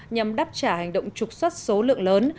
nhằm đáp trả hành động trục xuất số lượng lớn